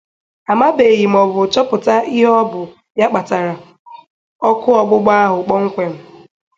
a mabèghị maọbụ chọpụta ihe ọ bụ ya kpatàrà ọkụ ọgbụgba ahụ kpọnkwem